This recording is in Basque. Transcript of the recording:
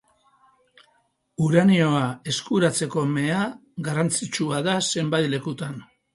Uranioa eskuratzeko mea garrantzitsua da zenbait lekutan.